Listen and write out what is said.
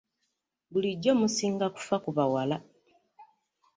Bulijjo musinga kufa ku bawala.